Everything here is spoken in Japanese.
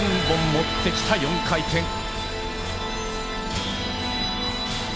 ３本持ってきた４回転。